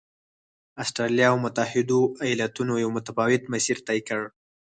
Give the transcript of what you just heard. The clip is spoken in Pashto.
اسټرالیا او متحدو ایالتونو یو متفاوت مسیر طی کړ.